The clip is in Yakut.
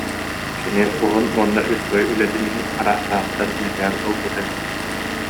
Кини уһун уонна үчүгэй үлэтин иһин ыраахтааҕыттан мэтээл ылбыта үһү